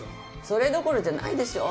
それどころじゃないでしょ！